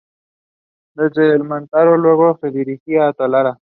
Desde el Mantaro luego se dirigirá a Talara.